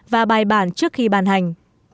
và bài bản trước khi bàn hành